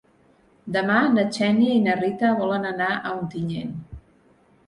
Demà na Xènia i na Rita volen anar a Ontinyent.